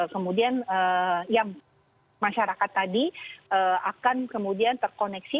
kemudian yang masyarakat tadi akan kemudian terkoneksi